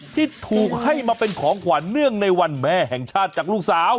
ที่ถูกให้มาเป็นของขวัญเนื่องในวันแม่แห่งชาติจากลูกสาว